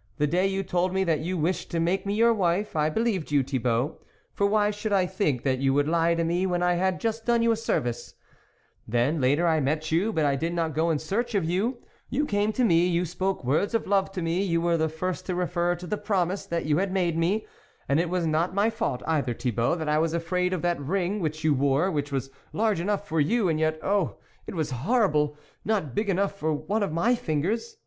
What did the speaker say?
" The day you told me that you wished to make me your wife, I believed you, Thi bault ; for why should I think that you would lie to me when I had just done you a service ? Then, later I met you, but I did not go in search of you ; you came to me, you spoke words of love to me, you were the first to refer to the promise that you had made me. And it was not my fault either, Thibault, that I was afraid of that ring which you wore, which was large enough for you and yet, oh, it was horrible ! not big enough for one of my fingers."